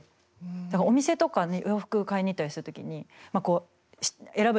だからお店とかに洋服買いに行ったりする時にこう選ぶじゃないですか。